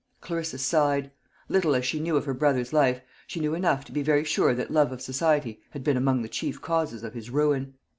Clarissa sighed. Little as she knew of her brother's life, she knew enough to be very sure that love of society had been among the chief causes of his ruin.